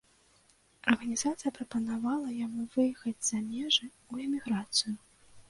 Арганізацыя прапанавала яму выехаць за межы, у эміграцыю.